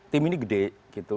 tim ini gede gitu